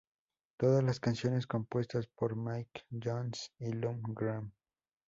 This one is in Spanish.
Todas las canciones compuestas por Mick Jones y Lou Gramm.